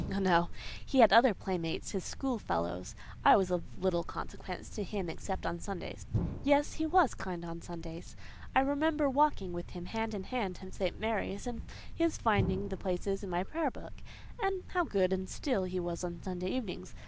Oh, no! he had other playmates—his school fellows; I was of little consequence to him, except on Sundays: yes, he was kind on Sundays. I remember walking with him hand in hand to St. Mary's, and his finding the places in my prayer book; and how good and still he was on Sunday evenings!